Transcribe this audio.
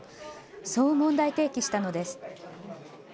そう問題提起したのです。